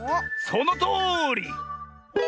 そのとおり！